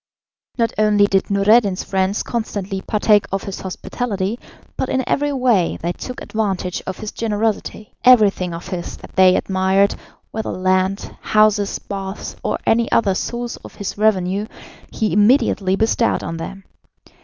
Not only did Noureddin's friends constantly partake of his hospitality, but in every way they took advantage of his generosity; everything of his that they admired, whether land, houses, baths, or any other source of his revenue, he immediately bestowed on them.